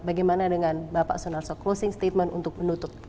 bagaimana dengan bapak sunarso closing statement untuk menutup